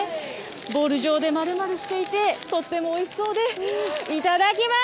ボール状でまるまるしていて、とってもおいしそうで、いただきます。